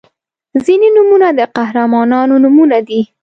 • ځینې نومونه د قهرمانانو نومونه دي.